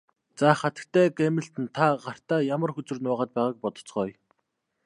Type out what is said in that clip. За хатагтай Гамильтон та гартаа ямар хөзөр нуугаад байгааг бодоцгооё.